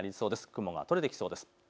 雲が取れてきそうです。